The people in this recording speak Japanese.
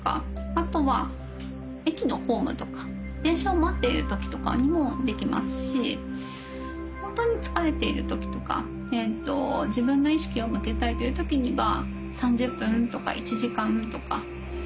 あとは駅のホームとか電車を待っている時とかにもできますし本当に疲れている時とか自分の意識を向けたいという時には３０分とか１時間とか。